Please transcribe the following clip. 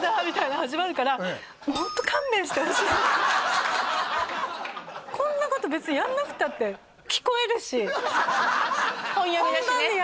みたいなの始まるからこんなこと別にやんなくたって聞こえるし本読みだしね